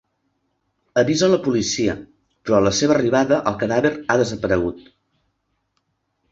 Avisa la policia però a la seva arribada el cadàver ha desaparegut.